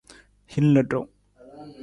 Hin ludu.